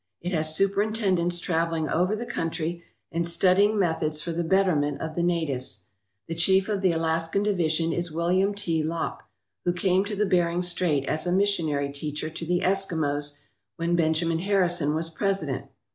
It has superintendents travelling over the country and studying methods for the betterment of the natives. The chief of the Alaskan Division is William T. Lopp, who came to the Bering Strait as a missionary teacher to the Eskimos when Benjamin Harri son was President.